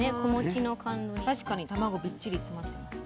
確かに卵びっちり詰まってます。